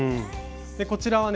こちらはね